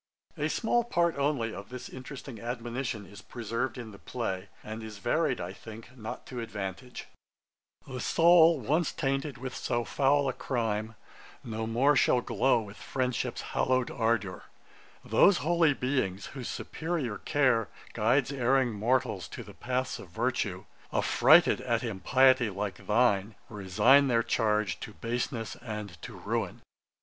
A small part only of this interesting admonition is preserved in the play, and is varied, I think, not to advantage: 'The soul once tainted with so foul a crime, No more shall glow with friendship's hallow'd ardour, Those holy beings whose superior care Guides erring mortals to the paths of virtue, Affrighted at impiety like thine, Resign their charge to baseness and to ruin.'